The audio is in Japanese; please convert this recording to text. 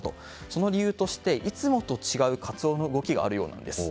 その理由として、いつもと違うカツオの動きがあるようなんです。